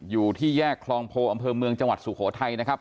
อยู่ที่แยกคลองโพอำเภอเมืองจังหวัดสุโขทัยนะครับ